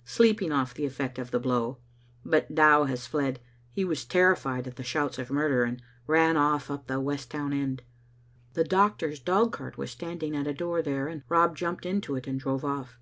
" Sleeping off the effect of the blow : but Dow has fled. He was terrified at the shouts of murder, and ran off up the West Town end. The doctor's dogcart was standing at a door there and Rob jumped into it and drove off.